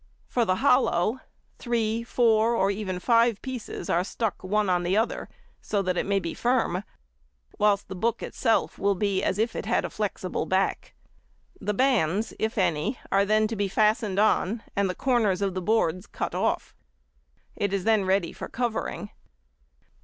For the hollow, three, four, or even five pieces are stuck one on the other, so that it may be firm; whilst the book itself will be as if it had a flexible back. The bands, if any, are then |90| to be fastened on, and the corners of the boards cut off. It is then ready for covering.